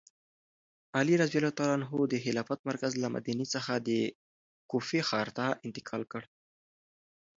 علي رض د خلافت مرکز له مدینې څخه کوفې ښار ته انتقال کړ.